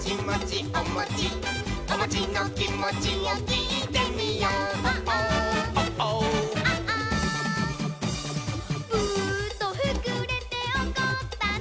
「おもちのきもちをきいてみよう」「ＯｈＯｈＯｈ」「プーッとふくれておこったの？」